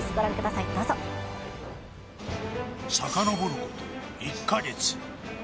さかのぼること１カ月。